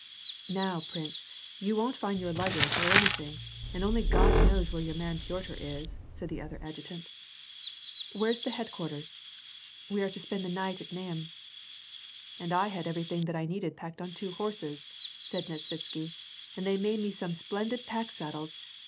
"Now, prince, you won't find your luggage, or anything, and only God knows where your man, Piotr, is," said the other adjutant. 198 WAR AXD PEACE. "Where's the headquarters ?"" We are Jbo spend the night at Znaim." " And I had everything that I needed packed on two horses/' said Nesvitsky, " and they made me some splendid paek sad dies.